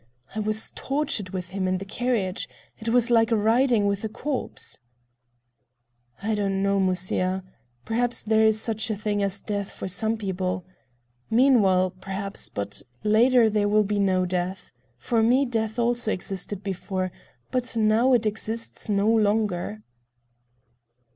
I was tortured with him in the carriage—it was like riding with a corpse." "I don't know, Musya. Perhaps there is such a thing as death for some people. Meanwhile, perhaps, but later there will be no death. For me death also existed before, but now it exists no longer."